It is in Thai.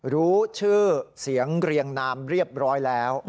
รู้ชื่อเสียงเรียงนามเรียบร้อยแล้ว